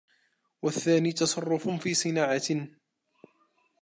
وَالثَّانِي تَصَرُّفٌ فِي صِنَاعَةٍ